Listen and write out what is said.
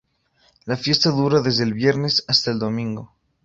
La fiesta dura desde el viernes hasta el domingo.